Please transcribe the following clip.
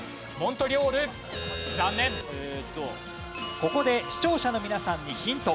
ここで視聴者の皆さんにヒント。